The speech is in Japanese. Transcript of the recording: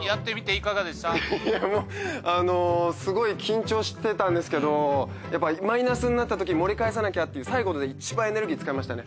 いやもうあのすごい緊張してたんですけどやっぱマイナスになったとき盛り返さなきゃっていう最後で一番エネルギー使いましたね。